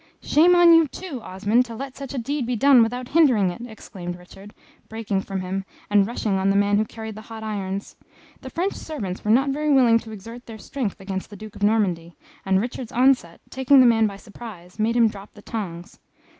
"Shame on you too, Osmond, to let such a deed be done without hindering it!" exclaimed Richard, breaking from him, and rushing on the man who carried the hot irons. The French servants were not very willing to exert their strength against the Duke of Normandy, and Richard's onset, taking the man by surprise, made him drop the tongs.